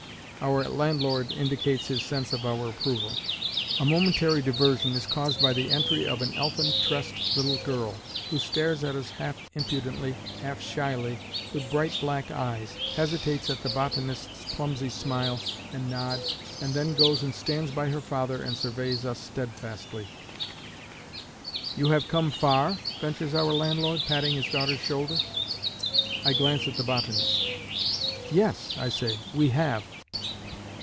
Our landlord indicates his sense of our approval. A momentary diversion is caused by the entry of an elfin tressed little girl, who stares at us half impudently, half shyly, with bright black eyes, hesitates at the botanist's clumsy smile and nod, and then goes and stands by her father and surveys us steadfastly. "You have come far?" ventures our landlord, patting his daughter's shoulder. I glance at the botanist. "Yes," I say, "we have."